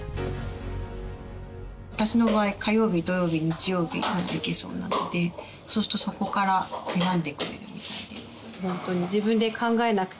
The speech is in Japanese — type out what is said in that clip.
私の場合火曜日土曜日日曜日なら行けそうなのでそうするとそこから選んでくれるみたいで。